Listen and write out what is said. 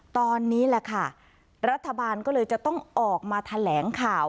ตอนนี้แหละค่ะรัฐบาลก็เลยจะต้องออกมาแถลงข่าว